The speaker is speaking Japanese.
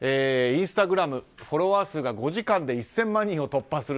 インスタグラムフォロワー数が５時間で１０００万人を突破。